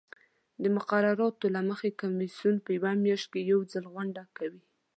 د مقرراتو له مخې کمیسیون په میاشت کې یو ځل غونډه کوي.